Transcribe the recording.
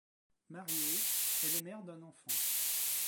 Mariée, elle est mère d'un enfant.